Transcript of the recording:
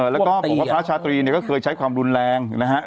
แล้วก็บอกว่าพระชาตรีเนี่ยก็เคยใช้ความรุนแรงนะฮะ